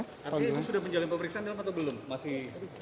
artinya itu sudah menjalin pemeriksaan atau belum